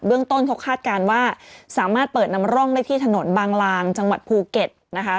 เรื่องต้นเขาคาดการณ์ว่าสามารถเปิดนำร่องได้ที่ถนนบางลางจังหวัดภูเก็ตนะคะ